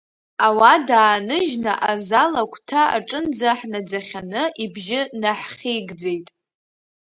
Ауада ааныжьны азал агәҭа аҿынӡа ҳнаӡахьаны ибжьы наҳхьигӡеит…